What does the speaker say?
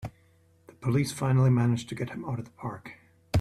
The police finally manage to get him out of the park!